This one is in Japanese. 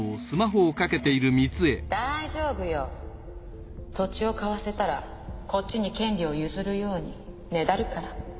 大丈夫よ土地を買わせたらこっちに権利を譲るようにねだるから。